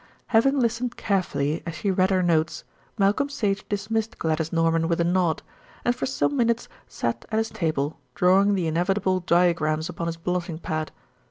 Having listened carefully as she read her notes, Malcolm Sage dismissed Gladys Norman with a nod, and for some minutes sat at his table drawing the inevitable diagrams upon his blotting pad.